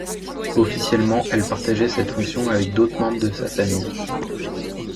Officiellement, elle partageait cette fonction avec d'autres membres de sa famille.